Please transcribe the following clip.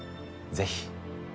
ぜひ。